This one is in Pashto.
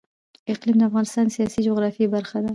اقلیم د افغانستان د سیاسي جغرافیه برخه ده.